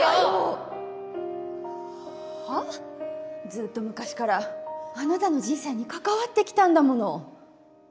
ずっと昔からあなたの人生に関わって来たんだもの。